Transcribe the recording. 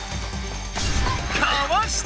かわした！